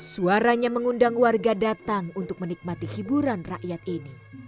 suaranya mengundang warga datang untuk menikmati hiburan rakyat ini